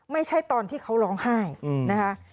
ไม่ใช่ตอนที่เขาร้องไห้นะคะ